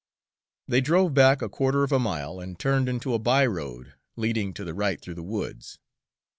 They drove back a quarter of a mile and turned into a by road leading to the right through the woods.